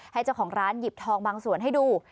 ให้เจ้าของร้านหยิบทองบางส่วนให้ดู